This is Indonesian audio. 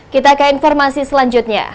kita ke informasi selanjutnya